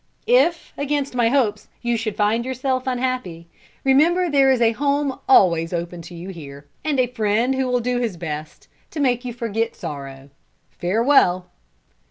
If, against my hopes, you should find yourself unhappy, remember there is a home always open to you here, and a friend who will do his best to make you forget sorrow. Farewell!"